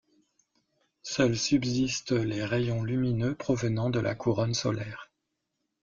Seuls subsistent les rayons lumineux provenant de la couronne solaire.